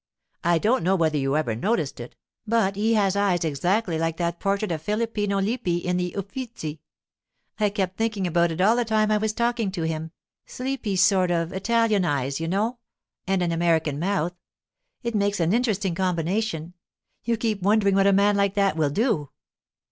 I don't know whether you ever noticed it, but he has eyes exactly like that portrait of Filippino Lippi in the Uffizi. I kept thinking about it all the time I was talking to him—sleepy sort of Italian eyes, you know—and an American mouth. It makes an interesting combination; you keep wondering what a man like that will do.